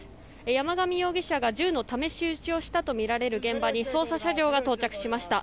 山上容疑者が銃の試し撃ちをしたとみられる現場に捜査車両が到着しました。